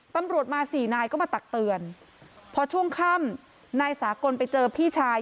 ตำรวจมาสี่นายก็มาตักเตือนพอช่วงค่ำนายสากลไปเจอพี่ชาย